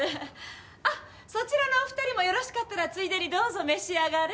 あっそちらのお２人もよろしかったらついでにどうぞ召し上がれ。